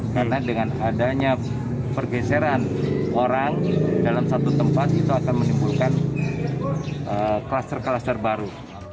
karena dengan adanya pergeseran orang dalam satu tempat itu akan menimbulkan kluster kluster baru